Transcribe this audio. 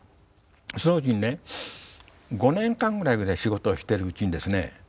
そのうちにね５年間ぐらい仕事をしてるうちにですね